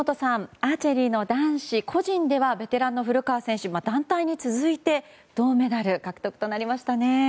アーチェリーの男子個人ではベテランの古川選手団体に続いて銅メダル獲得となりましたね。